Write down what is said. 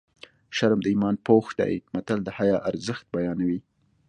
شرم د ایمان پوښ دی متل د حیا ارزښت بیانوي